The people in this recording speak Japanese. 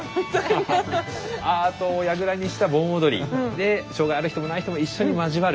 アートをやぐらにした盆踊りで障害ある人もない人も一緒に交わる。